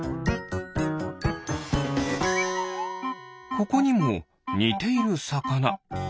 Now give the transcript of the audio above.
ここにもにているさかな。